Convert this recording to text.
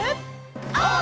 オー！